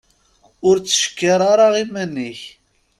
Ur ttcekkir ara iman-ik.